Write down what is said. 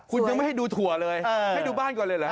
คุณยังไม่ให้ดูถั่วเลยให้ดูบ้านก่อนเลยเหรอ